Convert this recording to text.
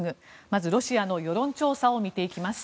まずロシアの世論調査を見ていきます。